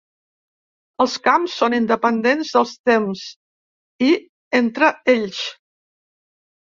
Els camps són independents del temps i entre ells.